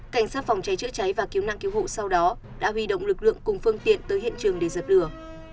trái và kiếm nạn cứu hộ sau đó đã huy động lực lượng cùng phương tiện tới hiện trường để dập lửa